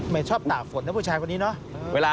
ชอบตากฝนนะผู้ชายคนนี้เนอะ